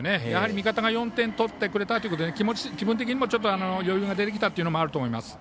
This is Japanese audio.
味方が４点取ってくれたということで気分的にも余裕が出てきたことがあると思います。